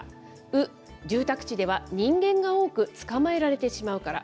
ウ、住宅地では人間が多く捕まえられてしまうから。